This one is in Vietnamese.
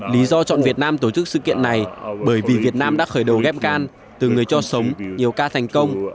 lý do chọn việt nam tổ chức sự kiện này bởi vì việt nam đã khởi đầu ghép gan từ người cho sống nhiều ca thành công